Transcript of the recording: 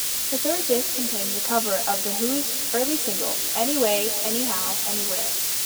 The third disc contains a cover of The Who's early single "Anyway, Anyhow, Anywhere".